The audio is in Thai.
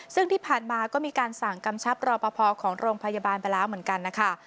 ซึ่งที่ผ่านมาก็มีการสั่งกำชับรอปภของโรงพยาบาลไปแล้วเหมือนกันนะคะ